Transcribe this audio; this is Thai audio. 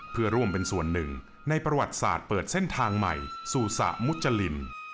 เพื่อร่วมเป็นส่วนหนึ่งในประวัติศาสตร์เปิดเส้นทางใหม่สู่สระมุจริน